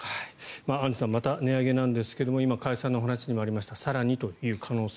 アンジュさんまた値上げなんですが今、加谷さんのお話にもありましたが更にという可能性も。